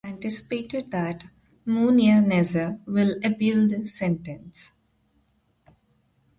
It is anticipated that Munyaneza will appeal the sentence.